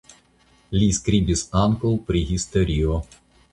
Li skribis ankaŭ pri historio.